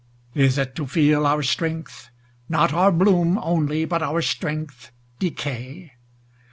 Is it to feel our strength Not our bloom only, but our strength decay?